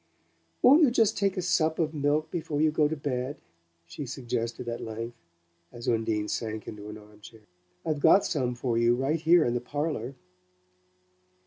"Won't you take just a sup of milk before you go to bed?" she suggested at length, as Undine sank into an armchair. "I've got some for you right here in the parlour."